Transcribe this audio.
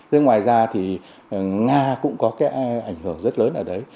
thế ngoài ra thì nga cũng có cái ảnh hưởng rất lớn ở đấy